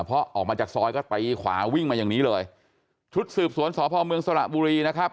พอออกมาจากซอยก็ตีขวาวิ่งมาอย่างนี้เลยชุดสืบสวนสพเมืองสระบุรีนะครับ